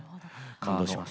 感動します。